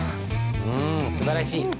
うんすばらしい。